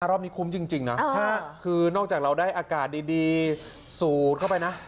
รอบนี้คุ้มจริงนะคือนอกจากเราได้อากาศดีสูดเข้าไปนะ